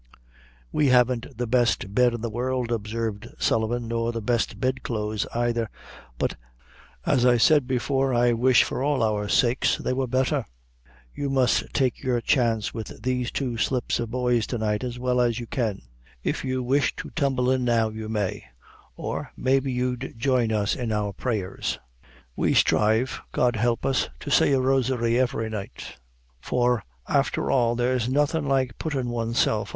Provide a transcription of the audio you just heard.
"We haven't the best bed in the world," observed Sullivan, "nor the best bed clothes aither, but, as I said before, I wish, for all our sakes, they were betther. You must take your chance with these two slips o' boys to night as well as you can. If you wish to tumble in now you may; or, may be you'd join us in our prayers. We sthrive, God! help us, to say a Rosary every night; for, afther all, there's nothin' like puttin' oneself!